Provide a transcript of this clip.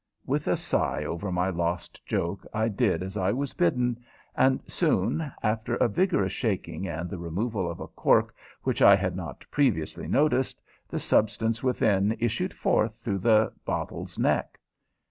With a sigh over my lost joke, I did as I was bidden, and soon, after a vigorous shaking and the removal of a cork which I had not previously noticed, the substance within issued forth through the bottle's neck.